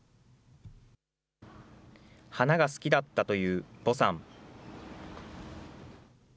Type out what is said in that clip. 花が好きだったというヴォさん。